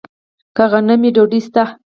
که غنم وي، ډوډۍ شته.